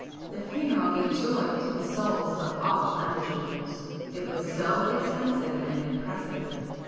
The funeral gave joy to the souls of all undertakers,—it was so expensive and impressive.